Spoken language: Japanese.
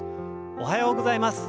おはようございます。